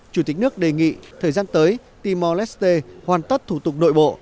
chủ tịch nước đề nghị thời gian tới timor leste hoàn tất thủ tục nội bộ